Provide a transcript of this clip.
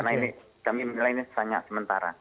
karena ini kami menilainya sangat sementara